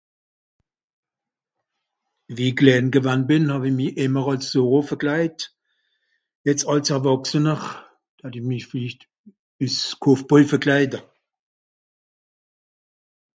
wie i klän gewann bìn hàwi mi ìmmer àls Zoro verklait jetz àls Erwàchsener d'hatti misch villicht üss Cow Boys verklaide